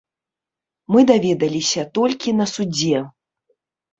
Мы даведаліся толькі на судзе.